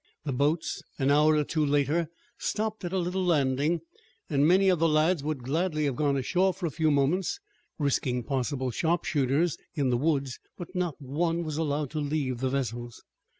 The boats, an hour or two later, stopped at a little landing, and many of the lads would gladly have gone ashore for a few moments, risking possible sharpshooters in the woods, but not one was allowed to leave the vessels.